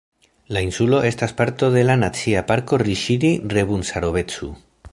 La insulo estas parto de la Nacia Parko Riŝiri-Rebun-Sarobecu.